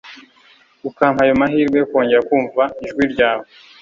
ukampa ayo mahirwe yo kongera kumva ijwi ryawe